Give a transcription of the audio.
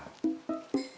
siapa cewek tadi